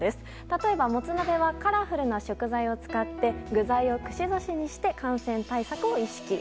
例えば、もつ鍋はカラフルな食材を使い具材を串刺しにして感染対策を意識。